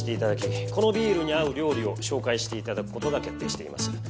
このビールに合う料理を紹介して頂く事が決定しています。